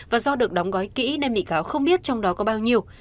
và do được đóng gói kỹ nên bị cáo không biết trong đó có bao nhiêu